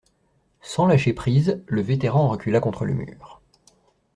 Sans lâcher prise, le vétéran recula contre le mur.